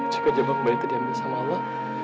jika jabang bayi itu diambil sama allah